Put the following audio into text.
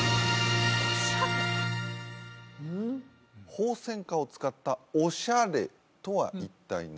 ホウセンカを使ったオシャレとは一体何？